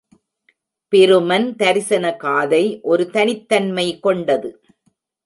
பிருமன் தரிசன காதை ஒரு தனித்தன்மை கொண்டது.